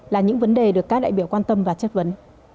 là những vấn đề được các đại biểu quan tâm và chất vấn